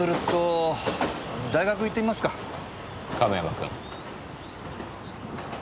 亀山君。